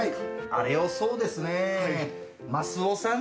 あれをそうですねぇ。